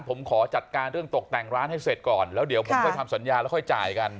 ผมขอจัดการเรื่องตกแต่งร้านให้เสร็จก่อนแล้วเดี๋ยวผมค่อยทำสัญญาแล้วค่อยจ่ายกัน